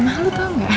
malu tau nggak